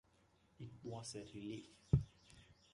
It was a relief.